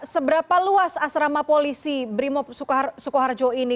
seberapa luas asrama polisi brimob sukoharjo ini